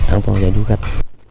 an toàn cho du khách